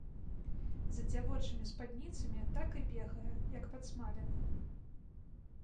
За дзявочымі спадніцамі так і бегае як падсмалены.